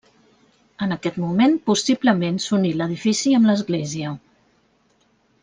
En aquest moment possiblement s'uní l'edifici amb l'església.